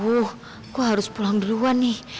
aduh gue harus pulang duluan nih